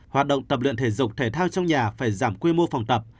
hoạt động tập luyện thể dục thể thao trong nhà phải giảm quy mô phòng tập